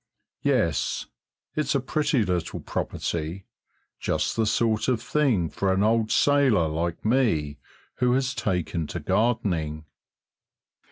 Yes, it's a pretty little property, just the sort of thing for an old sailor like me who has taken to gardening.